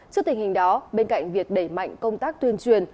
trước tình hình đó bên cạnh việc đẩy mạnh công tác tuyên truyền